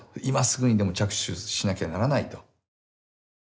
今すぐにでも着手しなきゃならないと。